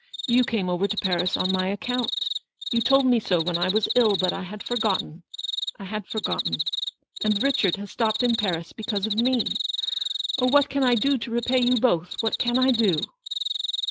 You came over to Paris on my account. You told me so when I was ill, but I had forgotten, I 184 Eleanor's victory. had forgotten. And Richard has stopped in Paris because of me. Oh, what can I do to repay you both, what can I do